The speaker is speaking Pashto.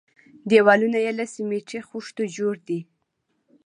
دېوالونه يې له سميټي خښتو جوړ دي.